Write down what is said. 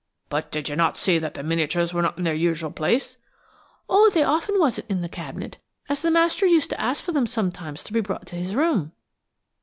"But did you not see that the miniatures were not in their usual place?" "Oh they often wasn't in the cabinet, as the master used to ask for them sometimes to be brought to his room."